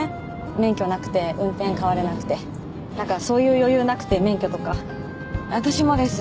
免許なくて運転代われなくてなんかそういう余裕なくて免許とか私もです